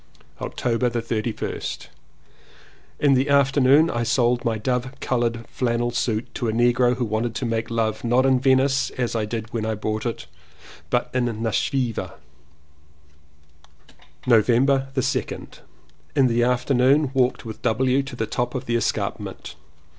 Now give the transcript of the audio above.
October 31st. In the afternoon I sold my dove coloured flannel suit to a negro who wanted to make love, not in Venice as I did when I bought it, but in Naivasha. 256 LLEWELLYN POWYS November 2nd. In the afternoon walked with W. to the top of the escarpment.